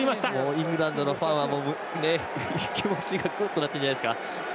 イングランドのファンは気持ち、がくっとなってるんじゃないですか。